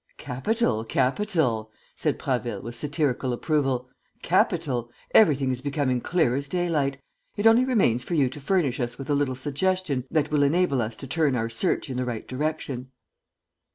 "Capital, capital!" said Prasville, with satirical approval. "Capital! Everything is becoming clear as daylight. It only remains for you to furnish us with a little suggestion that will enable us to turn our search in the right direction."